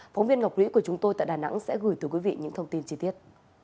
phóng viên ngọc lũy của chúng tôi tại đà nẵng sẽ gửi tới quý vị những thông tin chi tiết